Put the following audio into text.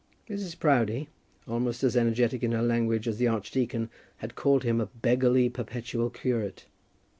Mrs. Proudie, almost as energetic in her language as the archdeacon, had called him a beggarly perpetual curate.